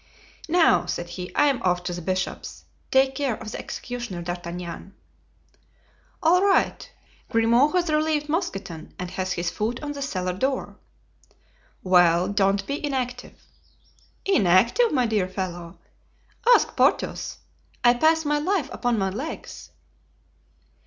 "Now," said he, "I'm off to the bishop's. Take care of the executioner, D'Artagnan." "All right. Grimaud has relieved Mousqueton and has his foot on the cellar door." "Well, don't be inactive." "Inactive, my dear fellow! Ask Porthos. I pass my life upon my legs."